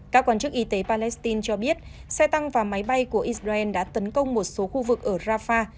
các quan chức y tế palestine cho biết xe tăng và máy bay của israel đã tấn công một số khu vực ở rafah